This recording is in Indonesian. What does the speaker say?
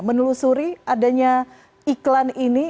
menelusuri adanya iklan ini